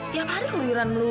tiap hari ngeliruan melulu